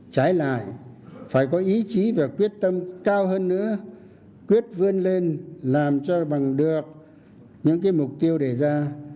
trái lại phải có ý chí và quyết tâm cao hơn nữa quyết vươn lên làm cho bằng được những mục tiêu đề ra